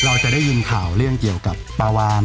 เราจะได้ยินข่าวเรื่องเกี่ยวกับปลาวาน